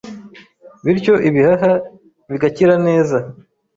Bityo ibihaha bigakira neza